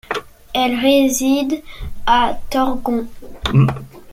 Elle réside à Torgon.